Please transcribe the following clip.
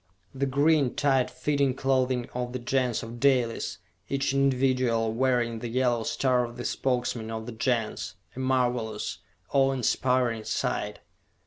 The green, tight fitting clothing of the Gens of Dalis, each individual wearing the yellow star of the Spokesman of the Gens! A marvelous, awe inspiring sight!